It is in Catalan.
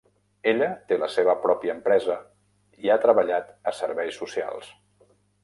Ella té la seva pròpia empresa i ha treballat a serveis socials.